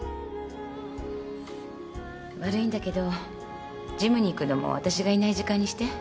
悪いんだけどジムに行くのも私がいない時間にして。